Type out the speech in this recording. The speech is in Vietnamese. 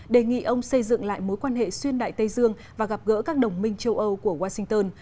đề nghị ông xây dựng lại mối quan hệ xuyên đại tây dương và gặp gỡ các đồng minh châu âu của washington